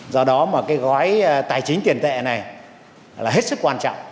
do đó mà cái gói tài chính tiền tệ này là hết sức quan trọng